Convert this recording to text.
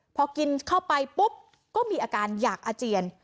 พอกินเข้าไปปุ๊บก็มีอาการอยากอาเจียน